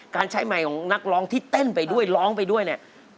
การใช้ไมค์ของนักร้องที่เต้นไปด้วยร้องไปด้วยเนี่ย